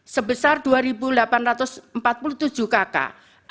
sebesar dua delapan ratus empat puluh tujuh kakak